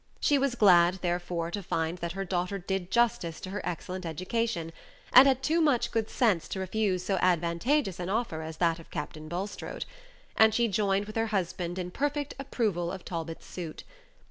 She was glad, therefore, to find that her daughter did justice to her excellent education, and had too much good sense to refuse so advantageous an offer as that of Captain Bulstrode; and she joined with her husband in perfect approval of Talbot's suit.